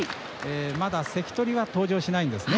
まだ関取は登場しないんですね。